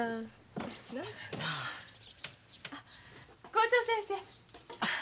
校長先生。